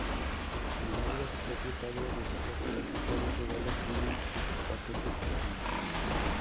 Sin embargo su propio padre decía que los mejores regalos vienen en paquetes pequeños.